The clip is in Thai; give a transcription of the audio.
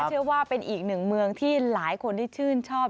เชื่อว่าเป็นอีกหนึ่งเมืองที่หลายคนที่ชื่นชอบ